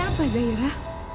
ada apa zaira